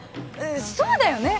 そうだよね